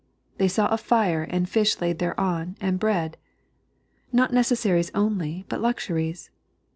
" They saw a fire, and fish laid thereon, and bread "— not necesaarieB only, but luxuries.